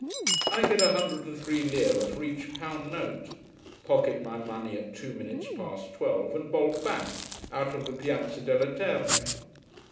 I get a hundred and three lira for each pound note: pocket my money at two minutes past twelve, and bolt back, out of the Piazza delle Terme.